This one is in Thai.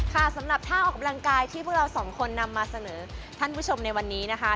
สำหรับท่าออกกำลังกายที่พวกเราสองคนนำมาเสนอท่านผู้ชมในวันนี้นะคะ